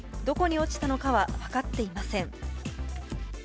どこに落ちたのかは分かっていません。